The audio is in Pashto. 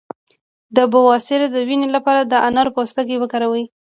د بواسیر د وینې لپاره د انار پوستکی وکاروئ